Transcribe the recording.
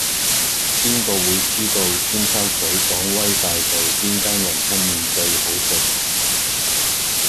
邊個會知道尖沙咀港威大道邊間雲吞麵最好食